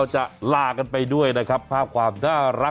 ซื้อให้มันต้องมีในกล่องไว้ล่ะ